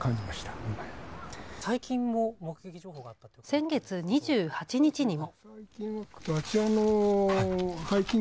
先月２８日にも。